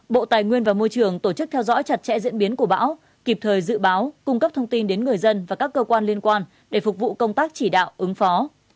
bộ tài nguyên và môi trường tổ chức theo dõi chặt chẽ diễn biến của bão kịp thời dự báo cung cấp thông tin đến người dân và các cơ quan liên quan để phục vụ công tác chỉ đạo ứng phó